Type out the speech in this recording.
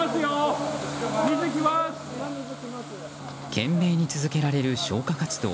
懸命に続けられる消火活動。